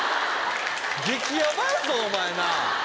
激ヤバやぞお前！なぁ。